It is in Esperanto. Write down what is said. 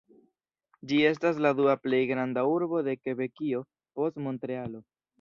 Ĝi estas la dua plej granda urbo de Kebekio, post Montrealo.